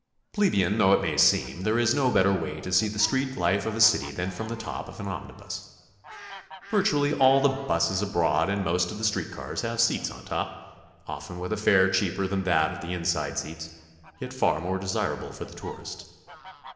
Plebeian though it may seem, there is no better way to see the street life of a city than from the to<p of an omnibus. Virtually all the 'buses abroad and most of the street cars have seats on top, often with a fare cheaper than that of the inside seats, yet far more desirable for the tourist.